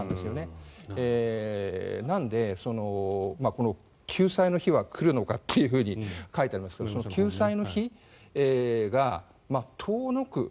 なので、救済の日は来るのかというふうに書いてありますが救済の日が遠のく。